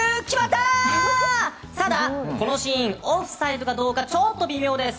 ただ、このシーンオフサイドかどうかちょっと微妙です。